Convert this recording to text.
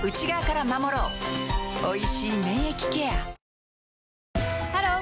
おいしい免疫ケアハロー！